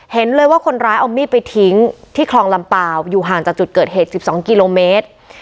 เห็นเลยว่าคนร้ายเอามีดไปทิ้งที่คลองลำเปล่าอยู่ห่างจากจุดเกิดเหตุ๑๒กิโลเมตร